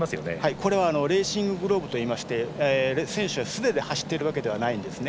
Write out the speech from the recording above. これはレーシンググローブといいまして選手は素手で走っているわけではないんですね。